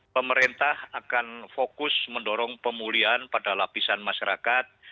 pemerintah akan fokus mendorong pemulihan pada lapisan masyarakat